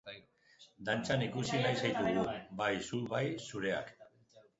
Dantzan ikusi nahi zaitugu, bai zu bai zureak!